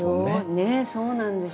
ねえそうなんです。